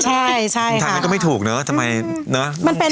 ถังนั้นก็ไม่ถูกเนอะทำไมเนอะ